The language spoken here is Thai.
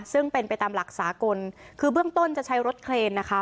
ซึ่งเป็นไปตามหลักสากลคือเบื้องต้นจะใช้รถเครนนะคะ